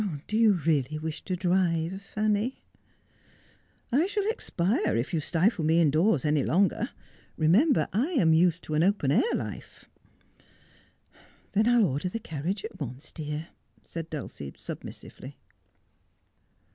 Do you really wish to drive, Fanny 1 '' I shall expire if you stifle me indoors any longer. Remem ber I am used to an open air life.' ' Then I'll order the carriage at once, dear,' said Dulcie sub missively.